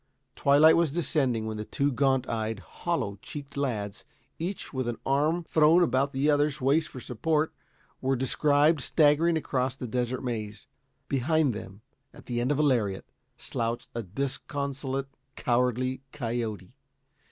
Twilight was descending when two gaunt eyed, hollow cheeked lads, each with an arm thrown about the other's waist for support, were described, staggering across the Desert Maze. Behind then, at the end of a lariat, slouched a disconsolate, cowardly coyote.